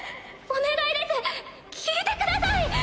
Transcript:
お願いです聞いてください！